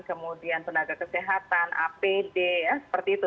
kemudian tenaga kesehatan apd ya seperti itu